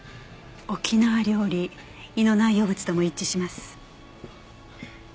沖縄料理胃の内容物とも一致します。